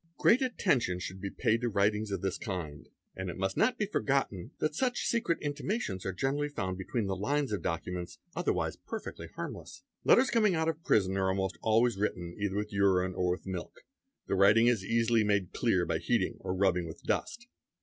Great attention should be paid to writings of this kind and it must not be forgotton that such secret intimations are generally found between ait Sion _ the lines of documents otherwise perfectly harmless. Letters coming out of prison are almost always written either with 'urine or with milk; the writing is easily made clear by heating or rubbing with dust.